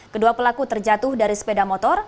kedua pelaku terjatuh dari sepeda motor